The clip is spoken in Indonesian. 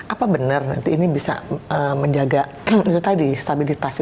apa benar nanti ini bisa menjaga itu tadi stabilitas itu